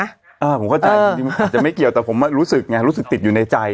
อ่าผมเข้าใจจริงมันอาจจะไม่เกี่ยวแต่ผมรู้สึกไงรู้สึกติดอยู่ในใจ